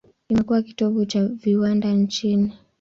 Imekuwa kitovu cha viwanda nchini.